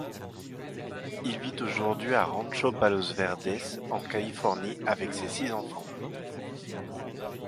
Il vit aujourd’hui à Rancho Palos Verdes en Californie avec ses six enfants.